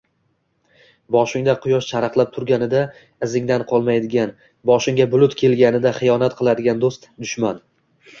Boshingda quyosh charaqlab turganida izingdan qolmaydigan, boshingga bulut kelganida xiyonat qiladigan “do’st”- dushman.